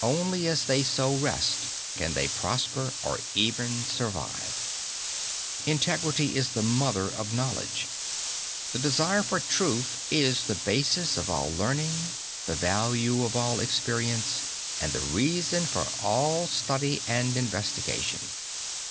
Only as they so rest, can they prosper or even survive. Integrity is the mother of knowledge. The desire for truth is the basis of all learning, the value of all experience and the reason for all study and investigation.